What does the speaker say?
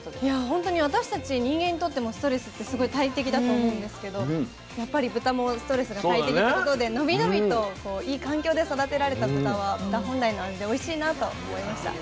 本当に私たち人間にとってもストレスってすごい大敵だと思うんですけどやっぱり豚もストレスが大敵ということでのびのびといい環境で育てられた豚は豚本来の味でおいしいなと思いました。